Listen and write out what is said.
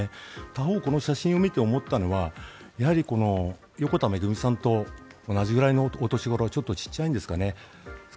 他方、この写真を見て思ったのはやはり横田めぐみさんと同じぐらいのお年頃ちょっと小さいんですかね。